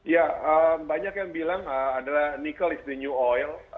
ya banyak yang bilang adalah nikel is the new oil